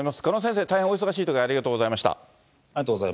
鹿野先生、大変お忙しいとき、ありがとうございました。